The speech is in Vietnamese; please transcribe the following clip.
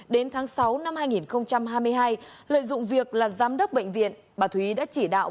đến tháng sáu năm hai nghìn hai mươi hai lợi dụng việc là giám đốc bệnh viện bà thúy đã chỉ đạo